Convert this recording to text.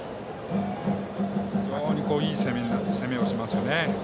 非常にいい攻めをしますよね。